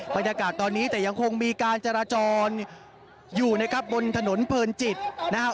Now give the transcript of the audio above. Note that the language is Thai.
บรรยากาศตอนนี้แต่ยังคงมีการจราจรอยู่นะครับบนถนนเพลินจิตนะครับ